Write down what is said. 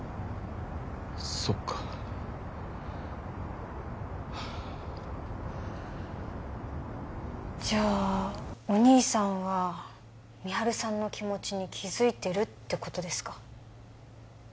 そっかじゃあお義兄さんは美晴さんの気持ちに気づいてるってことですか？